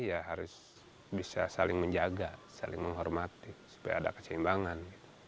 ya harus bisa saling menjaga saling menghormati supaya ada keseimbangan